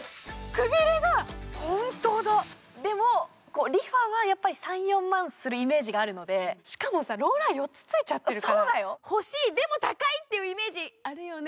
でもＲｅＦａはやっぱり３４万するイメージがあるのでしかもさローラー４つついちゃってるから欲しいでも高いっていうイメージあるよね